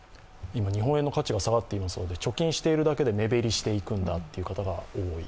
今、日本円の価値が下がっていますので貯金しているだけで目減りしていくんだという方が多い。